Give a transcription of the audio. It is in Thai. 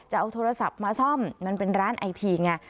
จะเอาโทรศัพท์มาซ่อมมันเป็นร้านไอทีไง